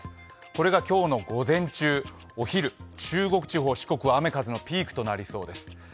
これが今日の午前中、お昼、中国地方、四国は雨、風のピークとなりそうです。